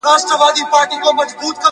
دسبا د جنګ په تمه `